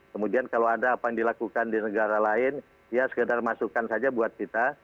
kemudian kalau ada apa yang dilakukan di negara lain ya sekedar masukan saja buat kita